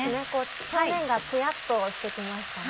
表面がツヤっとして来ましたね。